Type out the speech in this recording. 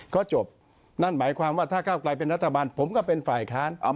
ก็จบนั่นหมายความว่าถ้าก้าวไกลเป็นรัฐบาลผมก็เป็นฝ่ายค้าน